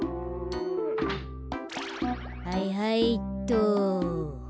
はいはいっと。